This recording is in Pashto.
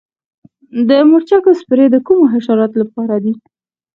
د مرچکو سپری د کومو حشراتو لپاره دی؟